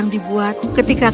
selama gakit tahun